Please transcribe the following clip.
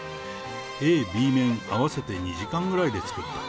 ＡＢ面合わせて２時間くらいで作った。